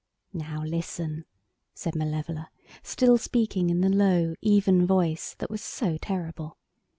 "Now listen," said Malevola, still speaking in the low, even voice that was so terrible.